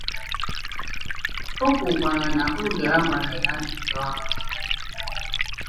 O kwukwara na oge a gbara ya ajụjụ ọnụ